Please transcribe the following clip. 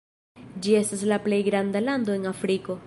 Ĝi estas la plej granda lando en Afriko.